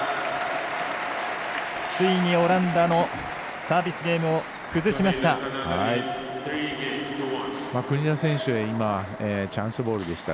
ついにオランダのサービスゲームを崩しました。